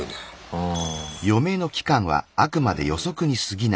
うん。